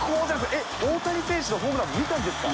えっ、大谷選手のホームラン、見たんですか。